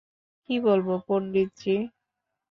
কী বলবো, পন্ডিতজি।